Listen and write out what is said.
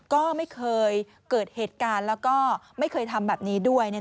ก็ไม่เคยเกิดเหตุการณ์แล้วก็ไม่เคยทำแบบนี้ด้วย